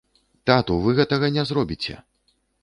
Тату, вы гэтага не зробіце.